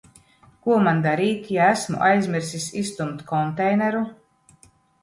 Ko man darīt, ja esmu aizmirsis izstumt konteineru?